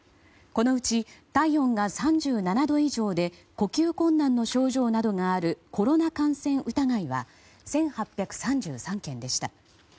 このうち、体温が３７度以上で呼吸困難の症状などがあるコロナ感染疑いは１８３３件でした。